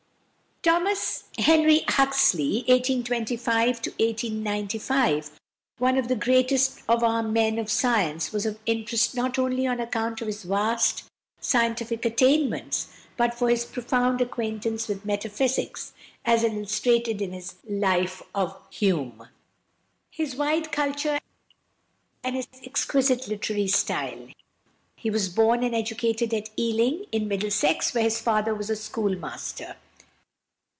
=Thomas Henry Huxley (1825 1895)=, one of the greatest of our men of science, was of interest not only on account of his vast scientific attainments, but for his profound acquaintance with metaphysics, as illustrated in his "Life of Hume," his wide culture, and his exquisite literary style. He was born and educated at Ealing, in Middlesex, where his father was a schoolmaster.